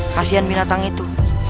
kasian binatang itu